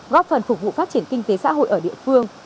góp phần phục vụ phát triển kinh tế xã hội ở địa phương